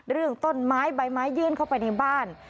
เรื่องต้นไม้ใบไม้ยื่นเข้าไปในบ้าน